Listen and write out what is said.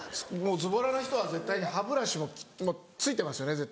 もうズボラな人は絶対に歯ブラシも付いてますよね